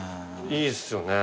いいですよね。